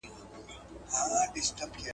څه شي دي د ستنېدو سبب سو؟